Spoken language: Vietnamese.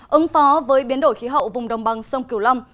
ứng phó với biến đổi khí hậu vùng đồng bằng sông kiều long